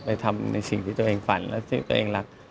ทำในสิ่งที่ตัวเองฝันและสิ่งที่ตัวเองรัก